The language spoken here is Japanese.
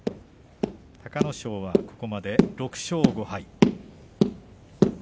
隆の勝はここまで６勝５敗。